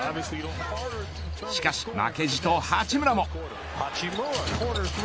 しかし、負けじと八村も。